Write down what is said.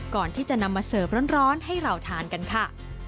ก่อนที่จะนำมาเสิร์ฟร้อนให้เราทานกันค่ะ